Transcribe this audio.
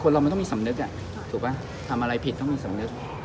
ผู้หลบก็ไม่ต้องมีสำนึกความพิดจะต้องมีสำนึก